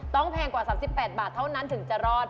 แพงกว่า๓๘บาทเท่านั้นถึงจะรอด